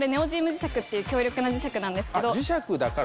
磁石っていう強力な磁石なんですけどはい